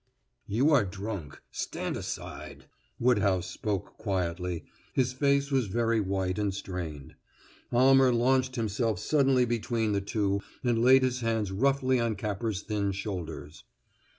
"You are drunk. Stand aside!" Woodhouse spoke quietly; his face was very white and strained. Almer launched himself suddenly between the two and laid his hands roughly on Capper's thin shoulders.